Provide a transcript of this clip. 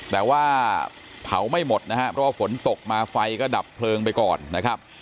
แต่ว่าเผาไม่หมดนะครับเพราะว่าฝนตกมาไฟก็ดับเพลิงไปก่อนนะครับ